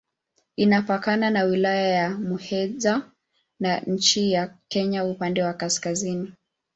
Inapakana na Wilaya ya Muheza na nchi ya Kenya upande wa kaskazini.